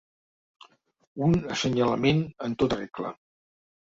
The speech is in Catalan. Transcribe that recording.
Un assenyalament en tota regla.